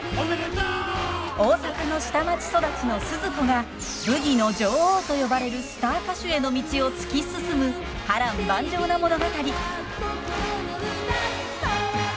大阪の下町育ちのスズ子がブギの女王と呼ばれるスター歌手への道を突き進む波乱万丈な物語。へいっ！